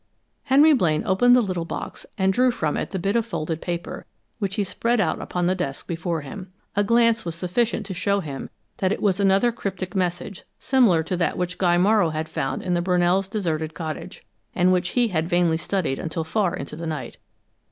Henry Blaine opened the little box and drew from it the bit of folded paper, which he spread out upon the desk before him. A glance was sufficient to show him that it was another cryptic message, similar to that which Guy Morrow had found in the Brunells' deserted cottage, and which he had vainly studied until far into the night.